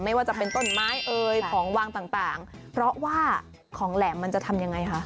ไม่ว่าจะเป็นต้นไม้เอ่ยของวางต่างเพราะว่าของแหลมมันจะทำยังไงคะ